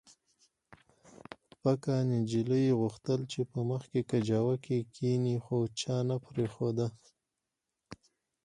پکه نجلۍ غوښتل چې په مخکې کجاوو کې کښېني خو چا نه پرېښوده